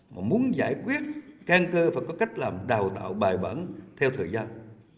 chúng ta muốn giải quyết can cơ và có cách làm đào tạo bài bản theo thời gian